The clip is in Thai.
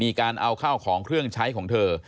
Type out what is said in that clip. มีการเอาข้าวของเครื่องใช้ของเธอ